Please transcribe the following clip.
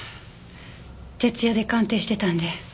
徹夜で鑑定してたんで。